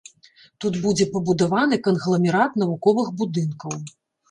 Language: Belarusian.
Тут будзе пабудаваны кангламерат навуковых будынкаў.